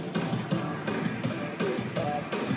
เตะแต่ว่าพี่